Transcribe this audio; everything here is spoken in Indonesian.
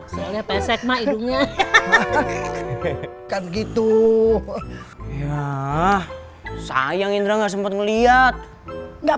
saya pesek maidunya kan gitu ya sayang indra nggak sempet ngeliat nggak